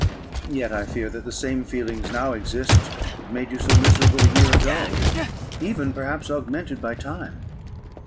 "Yet I fear that the same feelings now exist that made you so miserable a year ago, even perhaps augmented by time.